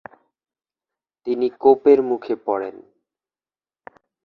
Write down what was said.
তিনি কোপের মুখে পড়েন।